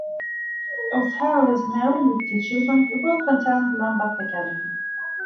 O'Farrell is married with two children, who both attended Lambeth Academy.